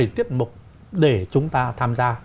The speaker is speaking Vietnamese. một mươi tiết mục để chúng ta tham gia